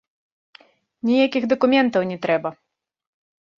Ніякіх дакументаў не трэба!